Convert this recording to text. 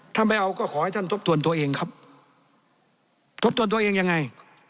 ถ้าไม่เอาก็ขอให้ท่านทบทวนตัวเองครับทบทวนตัวเองยังไง